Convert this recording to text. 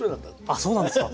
あそうなんですか。